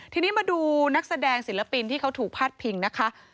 ทีนี้มาดูนักแสดงศิลปินที่เขาถูกพาดพิงนะคะ